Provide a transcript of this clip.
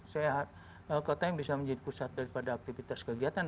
saya kota yang bisa menjadi pusat daripada aktivitas kegiatan